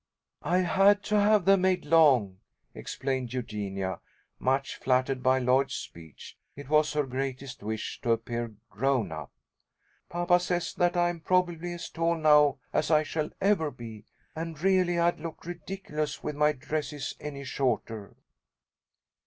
"I had to have them made long," explained Eugenia, much flattered by Lloyd's speech. It was her greatest wish to appear "grown up." "Papa says that I am probably as tall now as I shall ever be, and really I'd look ridiculous with my dresses any shorter."